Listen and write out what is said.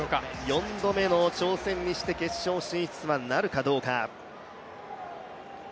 ４度目の挑戦にして、決勝進出はなるかどうか。